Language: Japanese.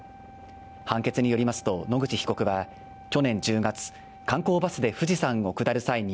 判決によりますと野口被告は去年１０月観光バスで富士山を下る際に、